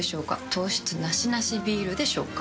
糖質ナシナシビールでしょうか？